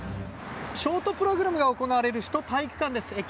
ショートプログラムが行われる首都体育館です。